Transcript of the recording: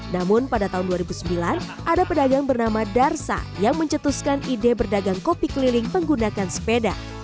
namun pada tahun dua ribu sembilan ada pedagang bernama darsa yang mencetuskan ide berdagang kopi keliling menggunakan sepeda